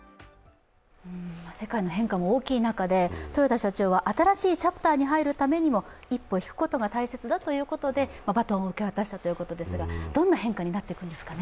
世界の変化も大きい中で豊田社長は、新しいチャプターに入るためにも一歩引くことが大切だということでバトンを受け渡したということですが、どんな変化になっていくんですかね。